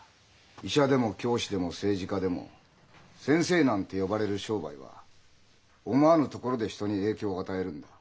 医者でも教師でも政治家でも先生なんて呼ばれる商売は思わぬところで人に影響を与えるんだ。